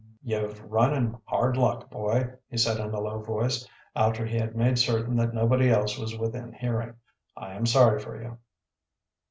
"You've run in hard luck, boy," he said in a low voice, after he had made certain that nobody else was within hearing. "I am sorry for you."